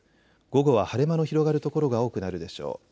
午後は晴れ間の広がる所が多くなるでしょう。